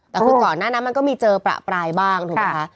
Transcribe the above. แต่คือก่อนหน้านั้นมันก็มีเจอประปรายบ้างถูกไหมคะ